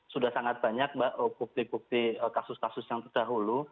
sudah sangat banyak mbak bukti bukti kasus kasus yang terdahulu